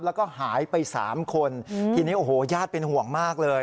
แล้วก็หายไปสามคนทีนี้โอ้โหญาติเป็นห่วงมากเลย